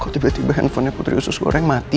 kok tiba tiba handphonenya putri usus goreng mati